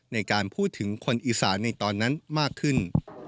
ในการพูดถึงคนอีสานในตอนนั้นมากขึ้น